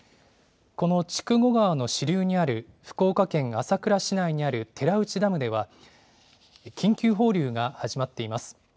この筑後川の支流にある福岡県朝倉市内にある寺内ダムでは、緊急放流が始まっています。